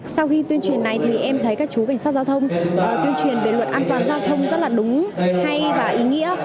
sau khi tuyên truyền này thì em thấy các chú cảnh sát giao thông tuyên truyền về luật an toàn giao thông rất là đúng hay và ý nghĩa